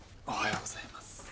おはようございます。